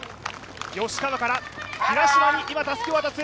吉川から平島に今、たすきを渡す。